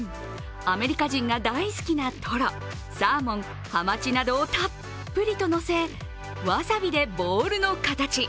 アメリカ人が大好きなトロサーモン、はまちなどをたっぷりと乗せわさびでボールの形。